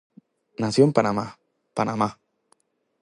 Nació en Panamá, Panamá.